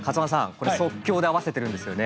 これ即興で合わせてるんですよね？